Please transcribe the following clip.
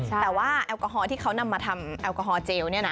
แต่ว่าแอลกอฮอลที่เขานำมาทำแอลกอฮอลเจล